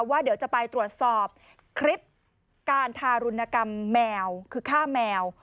ว่าเดี๋ยวจะไปตรวจสอบคลิปการทารุณกรรมแมวคือฆ่าแมว